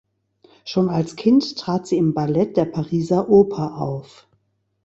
Schon als Kind trat sie im Ballett der Pariser Oper auf.